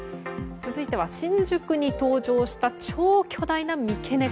続いては新宿に登場した超巨大な三毛猫。